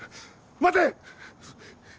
待て！